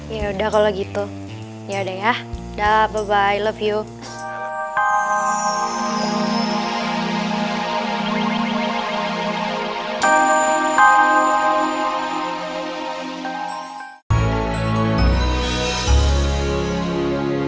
yaudah kalo gitu yaudah ya da bye love you